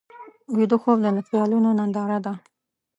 ویده خوب د خیالونو ننداره ده